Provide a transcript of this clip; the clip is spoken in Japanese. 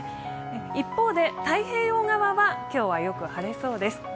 一方で太平洋側は今日はよく晴れそうです。